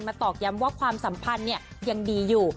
ตอกย้ำว่าความสัมพันธ์ยังดีอยู่